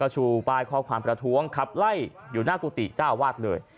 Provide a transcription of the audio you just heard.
ชูป้ายข้อความประท้วงขับไล่อยู่หน้ากุฏิเจ้าอาวาสเลย